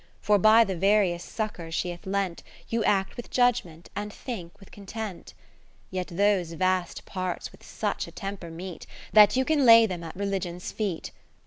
For by the various succours she hath lent, You act with judgement, and think with content. ( 544 ) Yet those vast parts with such a temper meet. That you can lay them at Religion's feet.